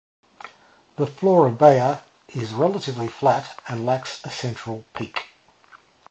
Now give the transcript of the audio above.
The floor of Bayer is relatively flat and lacks a central peak.